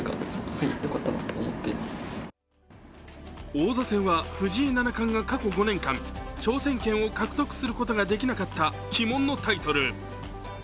王座戦は藤井七冠が過去５年間挑戦権を獲得することができなかった鬼門のタイトル。